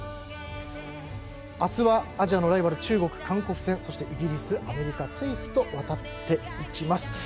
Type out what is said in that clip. あすはアジアのライバル、中国、韓国戦そしてイギリス、アメリカスイスと渡っていきます。